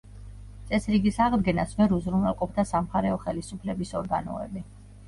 წესრიგის აღდგენას ვერ უზრუნველყოფდა სამხარეო ხელისუფლების ორგანოები.